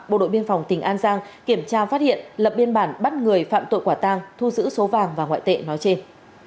bộ đội biên phòng tỉnh an giang kiểm tra phát hiện lập biên bản bắt người phạm tội quả tang thu giữ số vàng và ngoại tệ nói trên